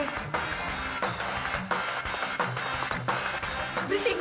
oh ini dia